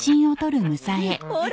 ほら。